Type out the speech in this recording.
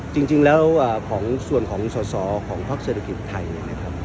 จริงจริงแล้วอ่าของส่วนของของภาคเศรษฐกิจไทยเนี้ยนะครับ